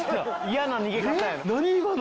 嫌な逃げ方やな。